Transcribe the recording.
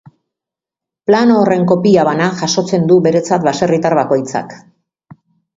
Plano horren kopia bana jasotzen du beretzat basaerritar bakoitzak.